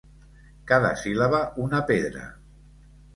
Cada síl·laba una pedra.